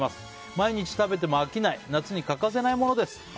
毎日食べても飽きない夏に欠かせないものです。